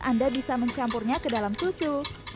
anda bisa mencampurnya ke dalam susu